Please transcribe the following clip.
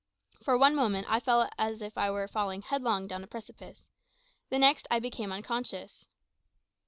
For one moment I felt as if I were falling headlong down a precipice; the next, I became unconscious.